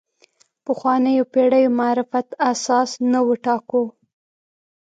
پخوانیو پېړیو معرفت اساس نه وټاکو.